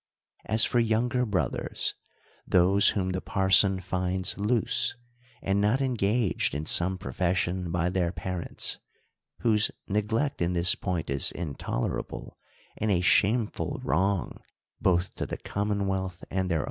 — As for younger brothers, those whom the parson finds loose, and not engaged in some profession by their parents (whose neglect in this point is intolerable, and a shameful wronsr hoth to the commonwealth and their THE COUNTRY PARSON.